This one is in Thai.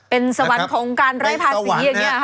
เป็นสวรรค์ของการไร้ภาษีอย่างนี้ค่ะ